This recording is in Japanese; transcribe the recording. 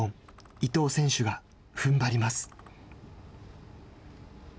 伊藤選手がふんばります。